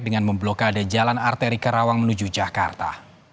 dengan memblokade jalan arteri karawang menuju jakarta